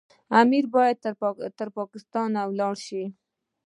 امیر باید ترکستان ته ولاړ شي.